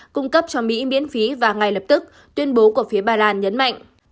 cung cấp cho mỹ biến phí và ngay lập tức tuyên bố của phía bà lan nhấn mạnh